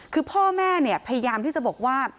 คือพ่อแม่เนี่ยพยายามที่จะบอกว่า